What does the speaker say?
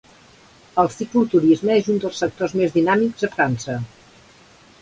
El cicloturisme és un dels sectors més dinàmics a França.